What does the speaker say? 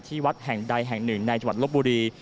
วัดแห่งใดแห่งหนึ่งในจังหวัดลบบุรี